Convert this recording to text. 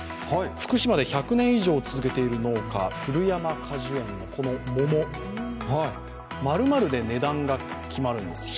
福島で１００年以上続けている農家、古山果樹園、この桃、○○で値段が決まるんです